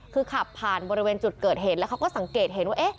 คือขับผ่านบริเวณจุดเกิดเหตุแล้วเขาก็สังเกตเห็นว่า